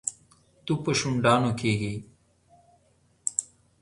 تو په شونډانو کېږي.